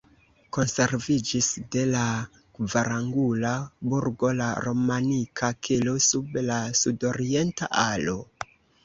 Konserviĝis de la kvarangula burgo la romanika kelo sub la sudorienta alo.